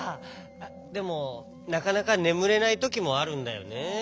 でもなかなかねむれないときもあるんだよね。